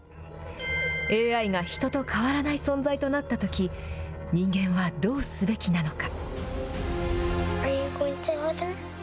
ＡＩが人と変わらない存在となったとき、人間はどうすべきなのか。